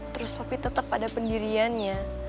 terus tapi tetap pada pendiriannya